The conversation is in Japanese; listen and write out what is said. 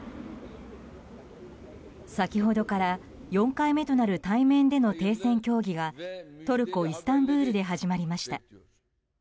先ほどから４回目となる対面での停戦協議がトルコ・イスタンブールで始まりました。